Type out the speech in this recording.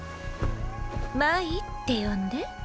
真依って呼んで。